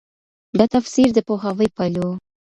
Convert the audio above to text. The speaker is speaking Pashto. دا تفسیر د پوهاوي پيل و.